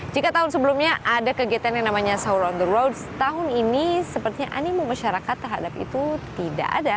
jika tahun sebelumnya ada kegiatan yang namanya sahur on the roads tahun ini sepertinya animo masyarakat terhadap itu tidak ada